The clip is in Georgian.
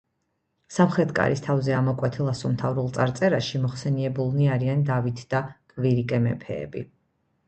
სამხრეთ კარის თავზე ამოკვეთილ ასომთავრულ წარწერაში მოხსენიებულნი არიან დავით და კვირიკე მეფეები.